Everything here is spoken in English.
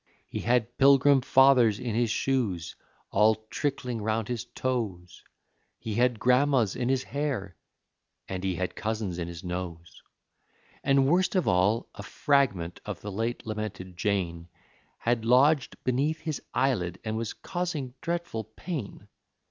He had Pilgrim Fathers in his shoes, all trickling 'round his toes; He had grandmas in his hair, and he had cousins in his nose, And, worst of all, a fragment of the late lamented Jane Had lodged beneath his eyelid, and was causing dreadful pain!